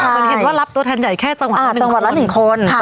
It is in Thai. คั่วแล้วค่ะเป็นเหตุว่ารับตัวแทนใหญ่แค่จังหวัดอ่าจังหวัดละหนึ่งคนค่ะ